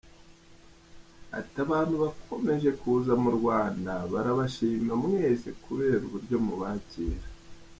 Ati”Abantu bakomeje kuza mu Rwanda barabashima mwese kubera uburyo mubakira.